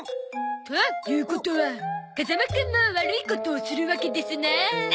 ということは風間くんも悪いことをするわけですな！